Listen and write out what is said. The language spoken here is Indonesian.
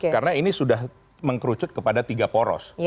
karena ini sudah mengkerucut kepada tiga poros